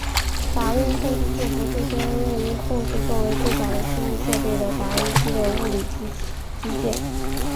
打印控制字符最先用于控制作为最早的输出设备的打印机的物理机件。